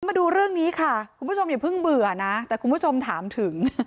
มาดูเรื่องนี้ค่ะคุณผู้ชมอย่าเพิ่งเบื่อนะแต่คุณผู้ชมถามถึง